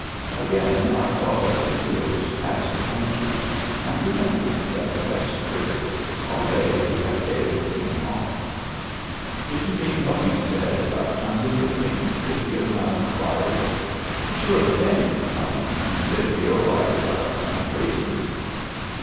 Again I thought of Scipio's past adventures and remembered that the best critics are they who have failed in art. " Did you mean what you said about hunting with me ?" Scipio now inquired. "Sure thing 1" I returned, "if you're right about Honey Wiggin."